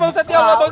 jangan pisah ustadz